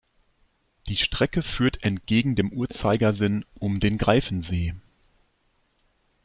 Die Strecke führt entgegen dem Uhrzeigersinn um den Greifensee.